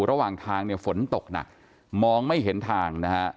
ระหว่างทางฝนตกหนักมองไม่เห็นทาง